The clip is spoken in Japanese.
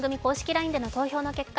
ＬＩＮＥでの投票の結果